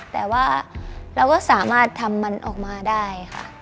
แต่ว่าเราก็สามารถทำมันออกมาได้ค่ะ